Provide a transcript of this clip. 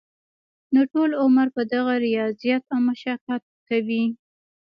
نو ټول عمر به دغه رياضت او مشقت کوي -